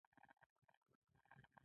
شهوت، بېکاري، بد ملګري او خرابه محیطه.